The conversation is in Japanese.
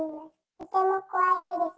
とても怖いです。